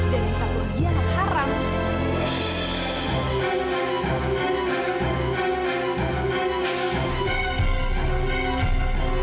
dan yang satu uji anak haram